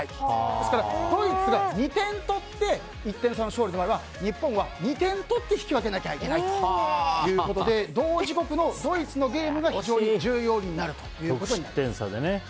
ですからドイツが２点取って１点差の勝利の場合日本は２点取って引き分けなきゃいけないということで同時刻のドイツのゲームが非常に重要になります。